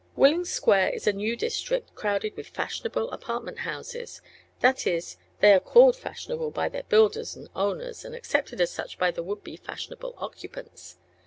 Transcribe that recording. Willing Square is a new district, crowded with fashionable apartment houses. That is, they are called fashionable by their builders and owners and accepted as such by their would be fashionable occupants.